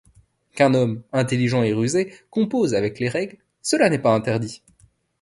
Qu'un Homme, intelligent et rusé, compose avec les règles, cela n'est pas interdit.